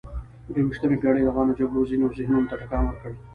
د یویشتمې پېړۍ روانو جګړو ځینو ذهنونو ته ټکان ورکړ.